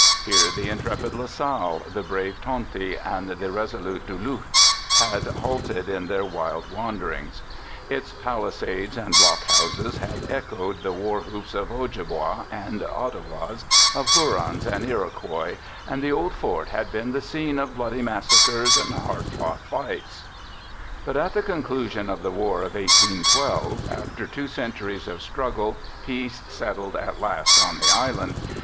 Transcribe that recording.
Here the intrepid La Salle, the brave Tonty and the resolute Du Luht had halted in their wild wanderings. Its palisades and block houses had echoed the war whoops of Ojibwas and Ottawas, of Hurons and Iro quois, and the old fort had been the scene of bloody massacres and hard fought fights ; but at the conclusion of the War of 1812, after two centuries of struggle, peace settled at last on the island.